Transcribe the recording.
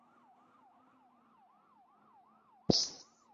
তিনি ও কি আপনাকে গুড নাইট কিস দিবে, যেমনটা মা পাপাকে দেয়?